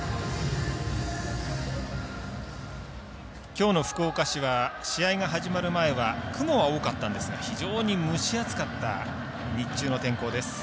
きょうの福岡市は試合が始まる前は雲は多かったんですが非常に蒸し暑かった日中の天候です。